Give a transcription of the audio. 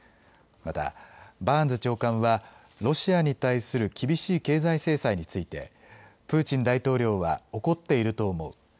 また、バーンズ長官はロシアに対する厳しい経済制裁についてプーチン大統領は怒っていると思う。